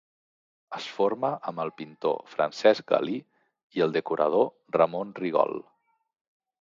Es forma amb el pintor Francesc Galí i el decorador Ramon Rigol.